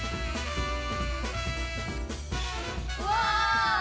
うわ！